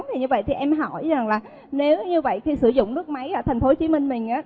thì như vậy thì em hỏi rằng là nếu như vậy khi sử dụng nước máy ở tp hcm mình á